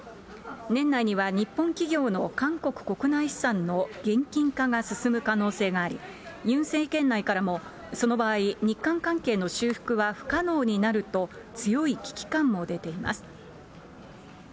年内には日本企業の韓国国内資産の現金化が進む可能性があり、ユン政権内からも、その場合、日韓関係の修復は不可能になると、強い危機感も出ています。